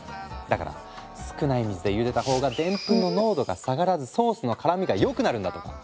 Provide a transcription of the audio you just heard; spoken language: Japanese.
だから少ない水でゆでた方がでんぷんの濃度が下がらずソースの絡みが良くなるんだとか！